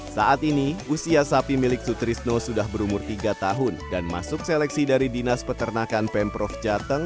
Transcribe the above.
saat ini usia sapi milik sutrisno sudah berumur tiga tahun dan masuk seleksi dari dinas peternakan pemprov jateng